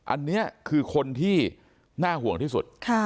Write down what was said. อันนี้คือคนที่น่าห่วงที่สุด